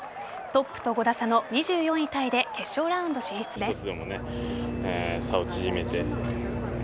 トップと５打差の２４位タイで決勝ラウンド進出です。